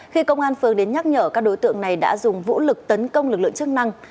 khi công an phường đến nhắc nhở các đối tượng này đã dùng vũ lực tấn công lực lượng chức năng